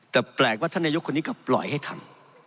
แต่แปลกว่าท่านนายกคนนี้ก็ปล่อยให้ทำ